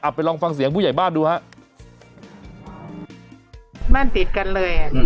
ไปลองฟังเสียงผู้ใหญ่บ้านดูฮะบ้านติดกันเลยอ่ะ